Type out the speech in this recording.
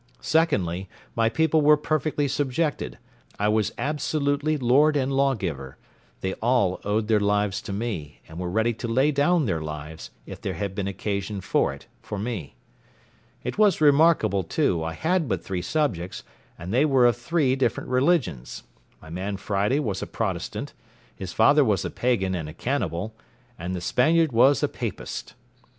Secondly, my people were perfectly subjected—I was absolutely lord and lawgiver—they all owed their lives to me, and were ready to lay down their lives, if there had been occasion for it, for me. It was remarkable, too, I had but three subjects, and they were of three different religions—my man Friday was a Protestant, his father was a Pagan and a cannibal, and the Spaniard was a Papist.